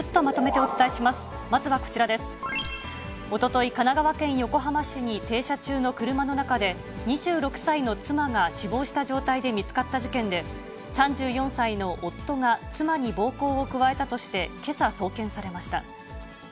おととい、神奈川県横浜市に停車中の車の中で、２６歳の妻が死亡した状態で見つかった事件で、３４歳の夫が妻に暴行を加えたとして、けさ、送検されました。